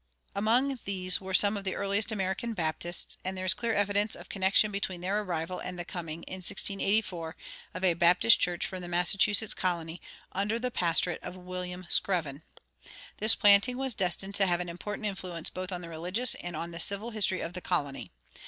Among these were some of the earliest American Baptists; and there is clear evidence of connection between their arrival and the coming, in 1684, of a Baptist church from the Massachusetts Colony, under the pastorate of William Screven. This planting was destined to have an important influence both on the religious and on the civil history of the colony.